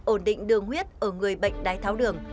ổn định đường huyết ở người bệnh đái tháo đường